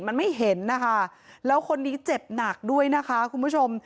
มันไม่เห็นนะคะแล้วคนนี้เจ็บหนักด้วยนะคะคุณผู้ชม